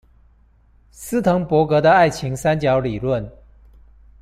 斯騰伯格的愛情三角理論